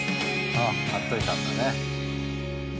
ああ買っておいたんだね。